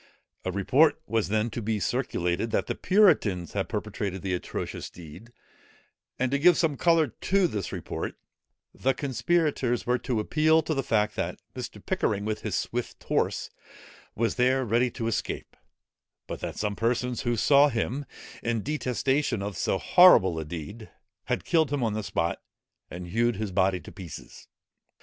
A report was then to be circulated, that the puritans had perpetrated the atrocious deed; and to give some colour to this report, the conspirators were to appeal to the fact, that Mr. Pickering, with his swift horse, was there ready to escape; but that some persons who saw him, in detestation of so horrible a deed, had killed him on the spot, and hewed his body to pieces.